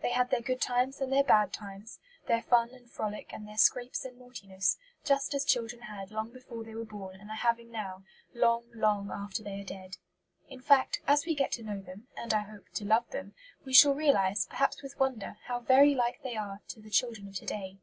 They had their good times and their bad times, their fun and frolic and their scrapes and naughtiness, just as children had long before they were born and are having now, long, long after they are dead. In fact, as we get to know them and, I hope, to love them we shall realize, perhaps with wonder, how very like they are to the children of to day.